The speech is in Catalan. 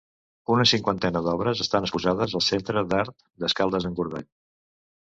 Una cinquantena d'obres estan exposades al Centre d'Art d'Escaldes-Engordany.